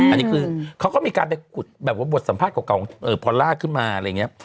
อันนี้คือเขาก็มีการไปขุดแบบว่าบทสัมภาษณ์เก่าพอลล่าขึ้นมาอะไรอย่างนี้